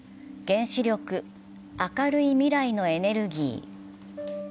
「原子力明るい未来のエネルギー」。